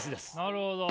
なるほど。